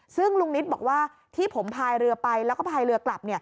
ซึ่งลุงนิตบอกว่าที่ผมพายเรือไปแล้วก็พายเรือกลับ